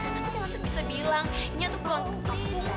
tapi jangan terbisa bilang dia tuh keluar ke kampung kayak apa